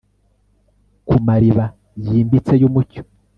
Ku mariba yimbitse yumucyo